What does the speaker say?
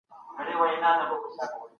پناه اخيستل د هر بيچاره حق دی.